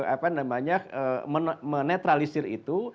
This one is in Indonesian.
apa namanya menetralisir itu